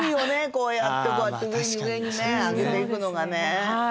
こうやってこうやって上に上にね上げていくのがね。